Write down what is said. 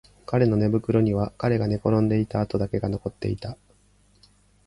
彼の寝袋には彼が寝転んでいた跡だけが残っていた